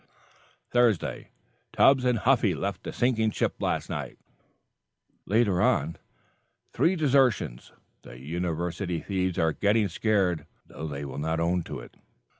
THURSDAY. "Tubbs and Huffy left the sinking ship last night" Later on: "Three desertions. The University thieves are getting scared, though they will not own it."